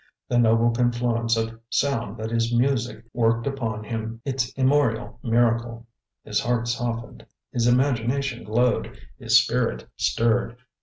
The noble confluence of sound that is music worked upon him its immemorial miracle; his heart softened, his imagination glowed, his spirit stirred.